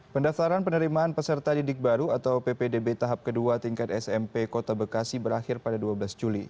pendaftaran penerimaan peserta didik baru atau ppdb tahap kedua tingkat smp kota bekasi berakhir pada dua belas juli